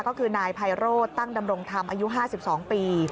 ก็คือนายไพโรธตั้งดำรงธรรมอายุ๕๒ปี